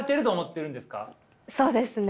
そうですね。